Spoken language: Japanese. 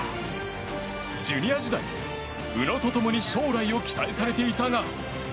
ジュニア時代、宇野と共に将来を期待されていたが。